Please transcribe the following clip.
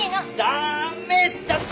ダメだって！